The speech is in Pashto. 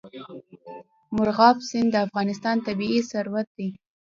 مورغاب سیند د افغانستان طبعي ثروت دی.